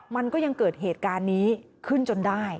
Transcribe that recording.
มันก็ยังเกิดเหตุการณ์นี้ขึ้นจนได้